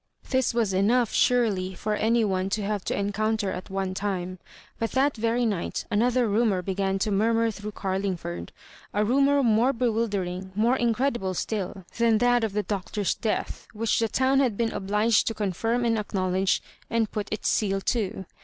This was enough surely for any one to have to encounter at one time; but that very night another rumour began to murmur through OxF' lingford — a rumor more bewildering, more incre dible still, than that of the Doctor's death, which the town had been obliged to confirm and ac knowledge, and put itis seal to.